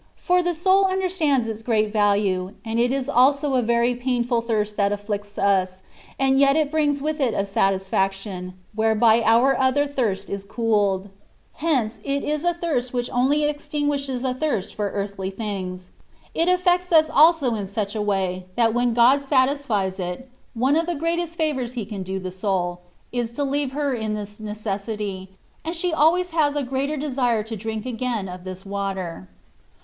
for the soul understands its great value, and it is also a very painful thirst that afflicts us, and yet it brings with it a satisfaction, whereby our other thirst is cooled : hence it is a thirst which only extinguishes a thirst for earthly things : it aflfects us also in such a way, that when God satisfies it. THE WAY OP PERFECTION. 91 one of the greatest favours He can do the soul, is to leave her in this necessity, and she always has a greater desire to drink again of this water.